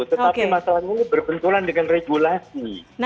tetapi masalahnya ini berbenturan dengan regulasi